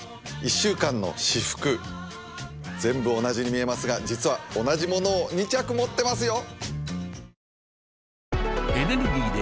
１週間の私服全部同じに見えますが実は同じものを持ってますよ